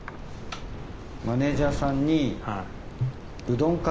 マネージャーさんに。